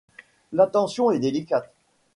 L’attention est délicate.